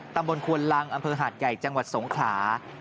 ตำบลควนลังอำเภอหาดใหญ่จังหวัดสงขลา